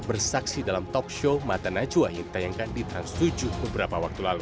bersaksi dalam talkshow mata najwa yang tayangkan ditransujuk beberapa waktu lalu